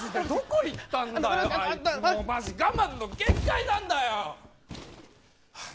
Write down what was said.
マジ、我慢の限界なんだよ。